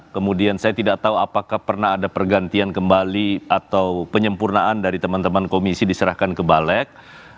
kemudian saya tidak tahu apakah pernah ada pergantian kembali atau penyempurnaan dari teman teman komisi diserahkan ke balek